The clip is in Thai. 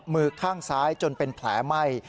มือข้างซ้ายจนเป็นแผลไหม้